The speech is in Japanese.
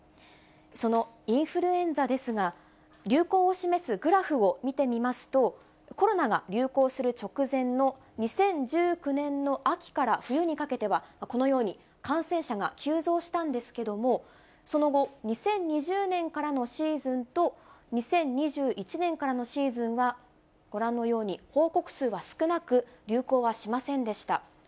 そのインフルエンザですが、流行を示すグラフを見てみますと、コロナが流行する直前の２０１９年の秋から冬にかけては、このように感染者が急増したんですけれども、その後、２０２０年からのシーズンと、２０２１年からのシーズンは、ご覧のように報告数は少なく、流行はしませんでした。